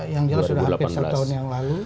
yang dia sudah hampir satu tahun yang lalu